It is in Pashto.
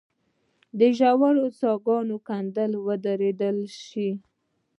د ژورو څاه ګانو کیندل ودرول شي.